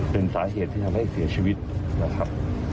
เป็นสาเหตุที่ทำให้เสียชีวิตนะครับ